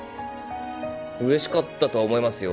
嬉しかったとは思いますよ